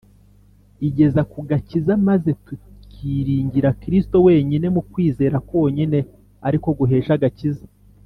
igeza ku gakiza, maze tukiringira Kristo wenyine mu kwizera konyine ari ko guhesha agakiza